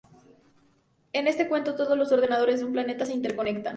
En este cuento, todos los ordenadores de un planeta se interconectan.